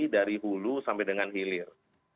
dari hulu sampai dengan hilir